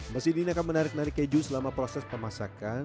mesin ini akan menarik narik keju selama proses pemasakan